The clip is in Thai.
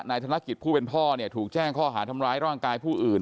ธนกิจผู้เป็นพ่อเนี่ยถูกแจ้งข้อหาทำร้ายร่างกายผู้อื่น